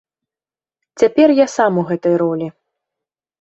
Цяпер я сам у гэтай ролі.